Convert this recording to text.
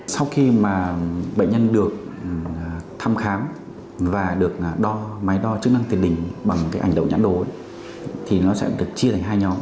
sau khi mà bệnh nhân được thăm khám và được đo máy đo chức năng tiền đình bằng cái ảnh đầu nhãn đối thì nó sẽ được chia thành hai nhóm